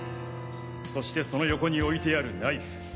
そしてその横に置いてあるナイフ。